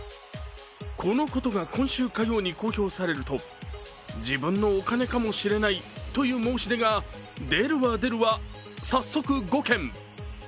このことが今週火曜に公表されると自分のお金かもしれないという申し出が出るわ出るわ早速、５件。